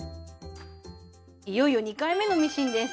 いよいよ２回目のミシンです。